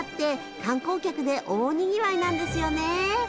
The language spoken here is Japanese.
観光客で大にぎわいなんですよね。